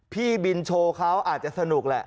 พี่บินโชว์เขาอาจจะสนุกแหละ